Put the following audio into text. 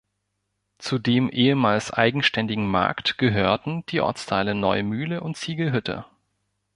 Zu dem ehemals eigenständigen Markt gehörten die Ortsteile Neumühle und Ziegelhütte.